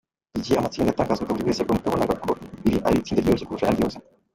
"Igihe amatsinda yatangazwaga, buri wese yabonaga ko iri ari itsinda ryoroshye kurusha ayandi yose.